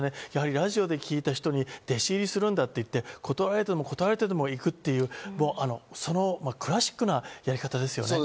ラジオで聴いた人に弟子入りするんだと言って、断られても断られても行くという、そのクラシックなやり方ですね。